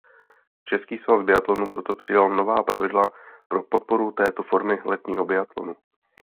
Český svaz biatlonu proto přijal nová pravidla pro podporu této formy letního biatlonu.